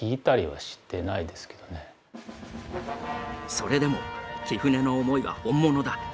それでも木舟の思いは本物だ。